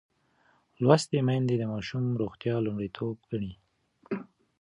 لوستې میندې د ماشوم روغتیا لومړیتوب ګڼي.